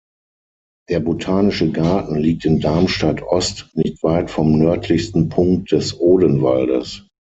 Der Botanische Garten liegt in Darmstadt-Ost nicht weit vom nördlichsten Punkt des Odenwaldes.